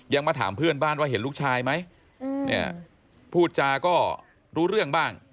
มาถามเพื่อนบ้านว่าเห็นลูกชายไหมเนี่ยพูดจาก็รู้เรื่องบ้าง